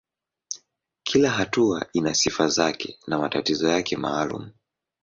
Kila hatua ina sifa zake na matatizo yake maalumu.